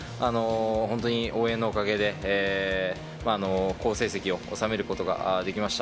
本当に応援のおかげで、好成績を収めることができました。